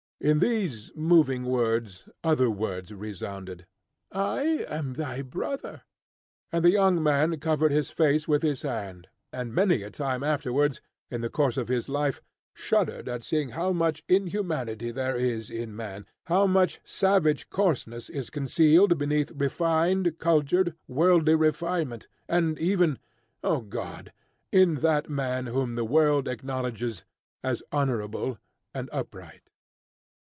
In these moving words, other words resounded "I am thy brother." And the young man covered his face with his hand; and many a time afterwards, in the course of his life, shuddered at seeing how much inhumanity there is in man, how much savage coarseness is concealed beneath refined, cultured, worldly refinement, and even, O God! in that man whom the world acknowledges as honourable and upright.